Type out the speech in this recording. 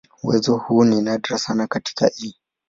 Uwezo huu ni nadra sana katika "E.